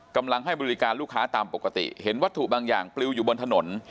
กำลังให้บริการลูกค้าตามปกติเห็นวัตถุบางอย่างปลิวอยู่บนถนน